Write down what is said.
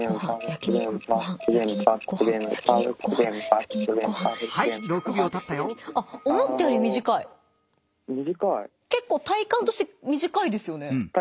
けっこう体感として短いですよね。